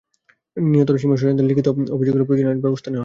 নিহত রহিমার স্বজনদের লিখিত অভিযোগ পেলে প্রয়োজনীয় আইনানুগ ব্যবস্থা নেওয়া হবে।